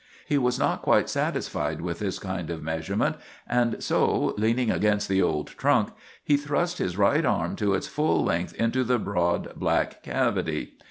He was not quite satisfied with this kind of measurement, and so, leaning against the old trunk, he thrust his right arm to its full length into the broad, black cavity.